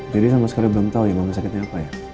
jadi sama sekali belum tahu ya mama sakitnya apa ya